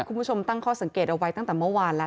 คุณผู้ชมตั้งข้อสังเกตเอาไว้ตั้งแต่เมื่อวานแล้ว